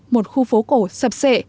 một khu phố cổ sập sệ